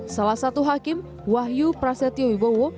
salah satu hakim wahyu prasetyo wibowo